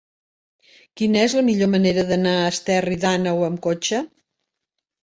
Quina és la millor manera d'anar a Esterri d'Àneu amb cotxe?